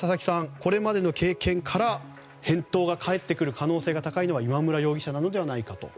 これまでの経験から返答が返ってくる可能性が高いのは今村容疑者なのではないかと。